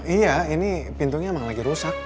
iya ini pintunya emang lagi rusak